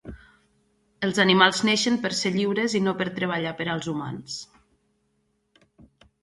Els animals neixen per ser lliures i no per treballar per als humans